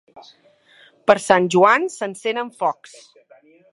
Per Sant Joan s'encenen focs.